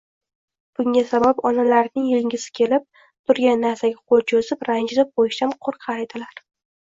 Bunga sabab onalarining yegisi kelib turgan narsaga qoʻl choʻzib, ranjitib qoʻyishdan qoʻrqar edilar